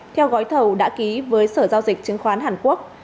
theo gói thầu đã ký với sở giao dịch chứng khoán hàn quốc